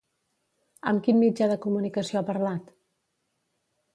Amb quin mitjà de comunicació ha parlat?